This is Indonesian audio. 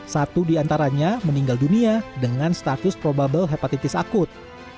satu di antaranya meninggal dunia dengan status probable hepatitis akut